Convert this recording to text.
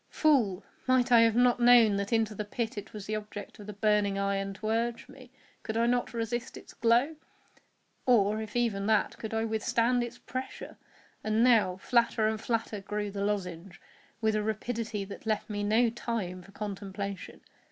Fool! might I have not known that into the pit it was the object of the burning iron to urge me? Could I resist its glow? or, if even that, could I withstand its pressure? And now, flatter and flatter grew the lozenge, with a rapidity that left me no time for contemplation.